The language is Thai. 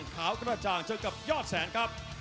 ขาวกระจ่างเจอกับยอดแสนครับ